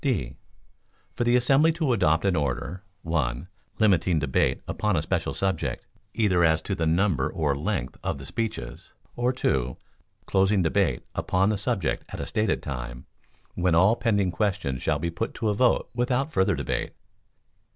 (d) For the assembly to adopt an order (1) limiting debate upon a special subject, either as to the number or length of the speeches; or (2) closing debate upon the subject at a stated time, when all pending questions shall be put to vote without further debate.